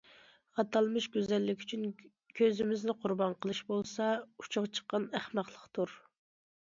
ئاتالمىش گۈزەللىك ئۈچۈن كۆزىمىزنى قۇربان قىلىش بولسا ئۇچىغا چىققان ئەخمەقلىقتۇر.